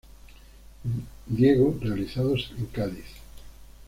Diego realizados en Cádiz.